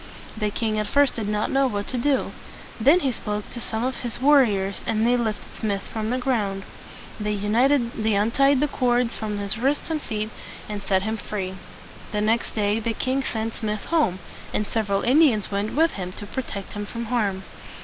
The king at first did not know what to do. Then he spoke to some of his war riors, and they lifted Smith from the ground. They untied the cords from his wrists and feet, and set him free. The next day the king sent Smith home; and several Indians went with him to protect him from harm.